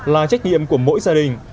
là trách nhiệm của mỗi gia đình